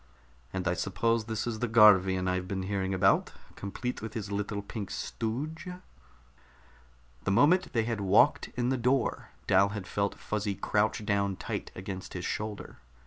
"And I suppose this is the Garvian I've been hearing about, complete with his little pink stooge." The moment they had walked in the door, Dal had felt Fuzzy crouch down tight against his shoulder.